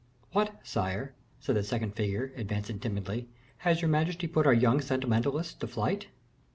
"What, sire," said the second figure, advancing timidly, "has your majesty put our young sentimentalists to flight?"